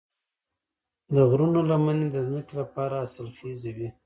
د غرونو لمنې د ځمکې لپاره حاصلخیزې وي.